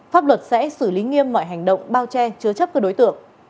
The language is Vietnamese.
pháp luật sẽ xử lý nghiêm mọi hành động bao che chứa chấp các đối tượng